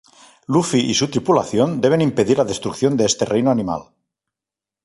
Luffy y su tripulación deben impedir la destrucción de este reino animal.